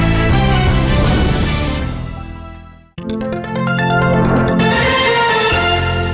สวัสดีครับ